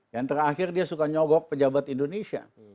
yang terakhir dia suka nyogok pejabat indonesia